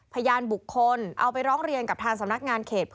พยานบุคคลเอาไปร้องเรียนกับทางสำนักงานเขต